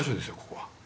ここは。